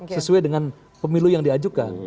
sesuai dengan pemilu yang diajukan